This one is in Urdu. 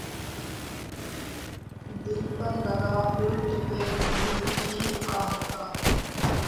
دل پر لگا اُلٹ کے وہیں تیر آہ کا